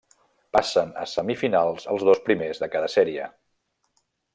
Passen a semifinals els dos primers de cada sèrie.